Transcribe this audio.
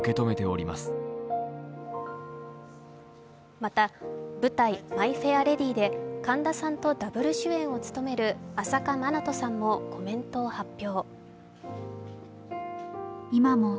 また、舞台「マイ・フェア・レディ」で神田さんとダブル主演を務める朝夏まなとさんもコメントを発表。